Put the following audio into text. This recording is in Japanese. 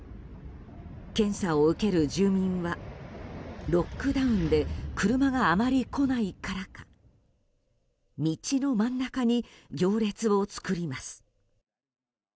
検査を受ける住民はロックダウンで車があまり来ないからか道の真ん中に行列を作ります。